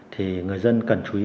thì người dân cần chú ý